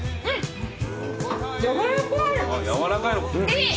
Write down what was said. えっ！